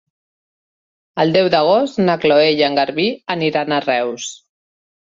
El deu d'agost na Cloè i en Garbí aniran a Reus.